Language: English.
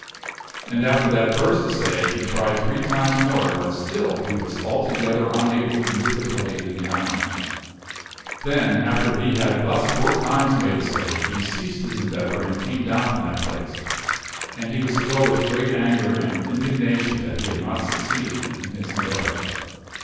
And after that first ss? e of l tke th assay he tried three times more, but still he was altogether "word and fail unable to move the blade in the iron. Then, after that he had eth thus four times made assay, he ceased his endeavor and came down from that place. And he was filled with great anger and indigna tion that he had not succeeded in his endeavor.